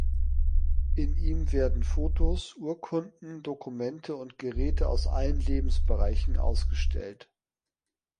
In ihm werden Fotos, Urkunden, Dokumente und Geräte aus allen Lebensbereichen ausgestellt.